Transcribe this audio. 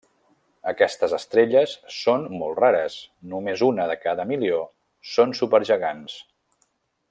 Aquestes estrelles són molt rares; només una de cada milió són supergegants.